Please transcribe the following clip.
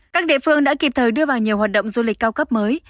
các địa phương đã kịp thời đưa vào nhiều hoạt động du lịch cao cấp mới